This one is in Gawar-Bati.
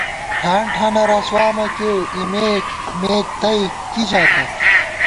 ٹھان ٹھانہ رسوا مہ کېئیؤ ، اِمے مے تئ کِی ژاتہ